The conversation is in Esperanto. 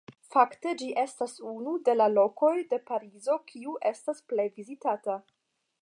Fakte ĝi estas unu de la lokoj de Parizo kiu estas plej vizitata.